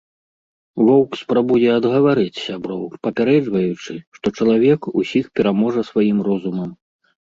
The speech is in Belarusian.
Воўк спрабуе адгаварыць сяброў, папярэджваючы, што чалавек усіх пераможа сваім розумам.